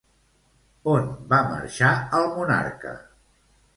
On va marxar el monarca?